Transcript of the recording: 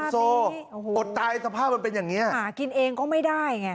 สภาพนี้สภาพบนเป็นอย่างเนี่ยหากินเองก็ไม่ได้ไง